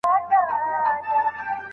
د سفر ملګری باید ډېر ښه وي.